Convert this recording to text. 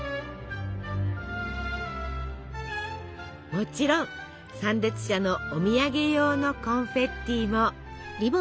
もちろん参列者のお土産用のコンフェッティも。